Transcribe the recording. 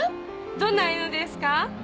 どんな犬ですか？